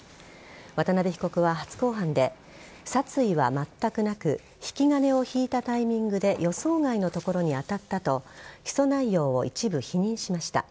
渡辺被告は初公判で殺意はまったくなく引き金を引いたタイミングで予想外の所に当たったと起訴内容を一部否認しました。